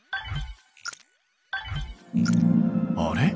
あれ？